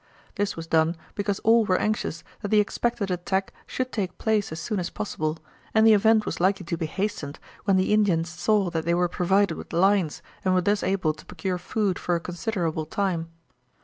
This was done because all were anxious that the expected attack should take place as soon as possible, and the event was likely to be hastened when the Indians saw that they were provided with lines and were thus able to procure food for a considerable time.